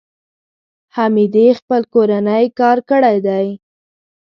حمیدې خپل کورنی کار کړی دی.